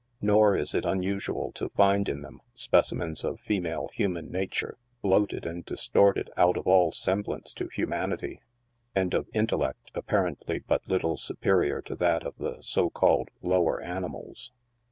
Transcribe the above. Nor is it unusual to find in them specimens of female human nature bloated and distorted out of all semblance to humanity, and of in tellect apparently but little superior to that of the so called " low er animals."